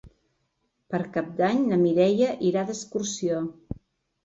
Per Cap d'Any na Mireia irà d'excursió.